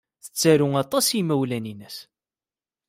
Tettaru aṭas i yimawlan-nnes.